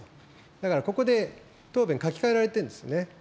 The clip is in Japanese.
だからここで答弁書き換えられてるんですね。